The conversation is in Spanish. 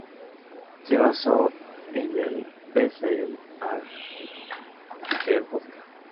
Se basó en el best seller "Are You There, Vodka?